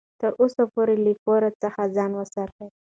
تر وسې پورې له پور څخه ځان وساتئ.